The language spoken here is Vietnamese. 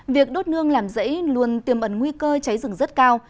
việc đốt nương làm rẫy luôn tiềm ẩn nguy cơ cháy rừng rất cao